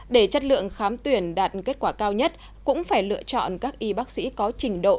để chất lượng khám tuyển đạt kết quả cao nhất cũng phải lựa chọn các y bác sĩ có trình độ